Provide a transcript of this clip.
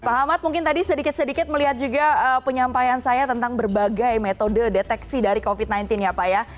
pak ahmad mungkin tadi sedikit sedikit melihat juga penyampaian saya tentang berbagai metode deteksi dari covid sembilan belas ya pak ya